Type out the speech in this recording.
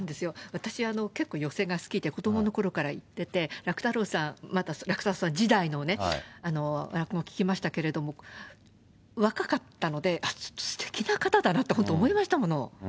私、結構、寄席が好きで、子どものころから行ってて、楽太郎さん、まだ楽太郎さん時代のね、落語聞きましたけれども、若かったので、あっ、ちょっとすてきな方だなって、本当、思いましたもん。